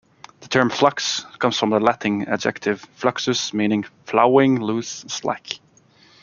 The term "flux" comes from the Latin adjective "fluxus", meaning "flowing, loose, slack".